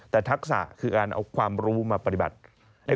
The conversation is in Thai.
แต่ทักษะคือการเอาความรู้มาปฏิบัติ